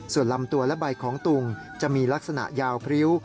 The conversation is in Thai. ส่วนลำตัวและใบของตุงจะมีลักษณะยาวพริ้ว